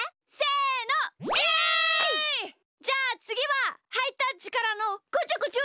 じゃあつぎはハイタッチからのこちょこちょ！